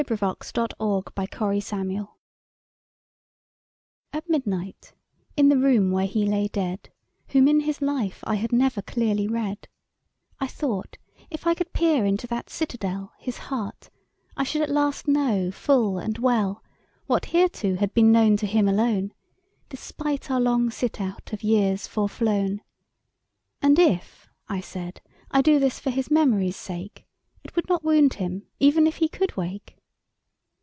1916. THIS HEART A WOMAN'S DREAM AT midnight, in the room where he lay dead Whom in his life I had never clearly read, I thought if I could peer into that citadel His heart, I should at last know full and well What hereto had been known to him alone, Despite our long sit out of years foreflown, "And if," I said, "I do this for his memory's sake, It would not wound him, even if he could wake."